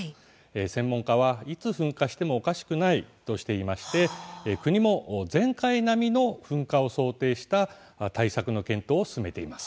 専門家はいつ噴火してもおかしくないとしていまして国も前回並みの噴火を想定した対策の検討を進めています。